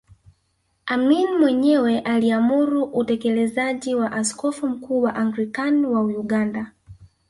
Amin mwenyewe aliamuru utekelezaji wa Askofu Mkuu wa Anglican wa Uganda